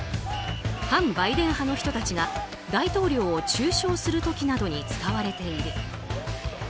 反バイデン派の人たちが大統領を中傷する時などに使われている。